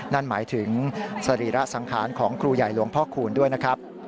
นั่นหมายถึงสรีระสังขารของครูใหญ่หลวงพ่อคูณด้วยนะครับ